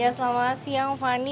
selamat siang fani